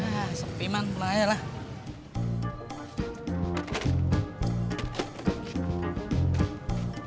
nah sepi bang pulang aja lah